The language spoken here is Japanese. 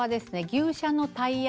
牛車のタイヤ。